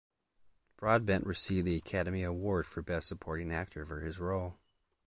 Broadbent received the Academy Award for Best Supporting Actor for his role.